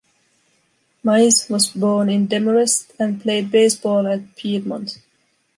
Mize was born in Demorest, and played baseball at Piedmont.